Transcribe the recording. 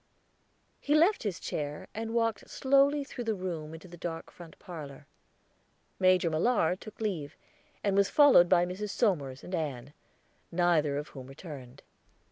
He left his chair, and walked slowly through the room into the dark front parlor. Major Millard took leave, and was followed by Mrs. Somers and Ann, neither of whom returned.